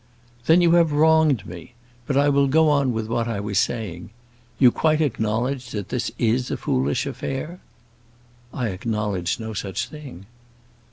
"Then you have wronged me. But I will go on with what I was saying. You quite acknowledge that this is a foolish affair?" "I acknowledge no such thing."